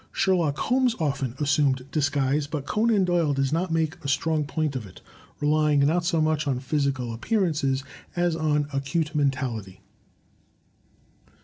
Sherlock Holmes often assumed disguise, but Conan Doyle does not make a strong point of it, relying not so much on physical appearances as on acute mentality.